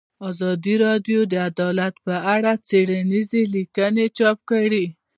ازادي راډیو د عدالت په اړه څېړنیزې لیکنې چاپ کړي.